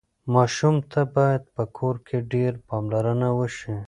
ماشوم ته باید په کور کې ډېره پاملرنه وشي.